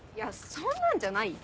そんなんじゃないよ。